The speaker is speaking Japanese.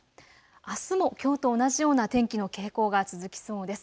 あすもきょうと同じような天気の傾向が続きそうです。